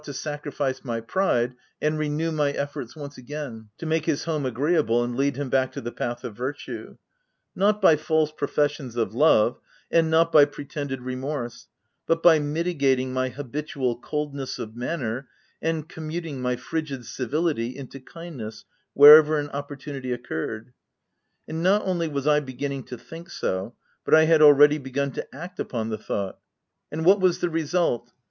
337 to sacrifice my pride, and renew my efforts once again to make his home agreeable and lead him back to the path of virtue ; not by false professions of love, and not by pretended remorse, but by mitigating my habitual cold ness of manner, and commuting my frigid civility into kindness wherever an opportunity occurred; and not only was 1 beginning to think so, but I had already begun to act upon the thought — and what was the result?